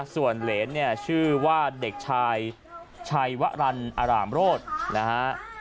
ส่วนเหรนเนี่ยชื่อว่าเด็กชายชัยวรรณอรามโรธนะฮะ